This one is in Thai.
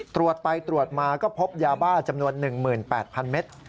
ตรวจไปตรวจมาก็พบยาบ้าจำนวน๑๘๐๐เมตร